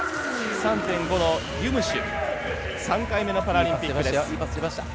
３．５のギュムシュ３回目のパラリンピックです。